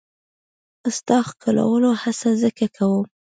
ستا ښکلولو هڅه ځکه کوم.